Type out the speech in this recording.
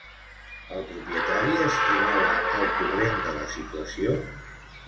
El propietari es trobava al corrent de la situació?